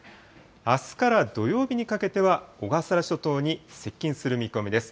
あすから土曜日にかけては小笠原諸島に接近する見込みです。